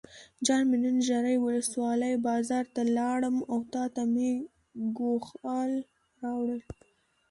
جان مې نن ژرۍ ولسوالۍ بازار ته لاړم او تاته مې ګوښال راوړل.